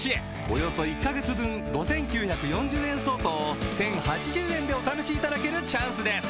およそ１カ月分５９４０円相当を１０８０円でお試しいただけるチャンスです